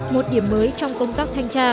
một điểm mới trong công tác thanh tra